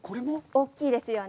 大きいですよね。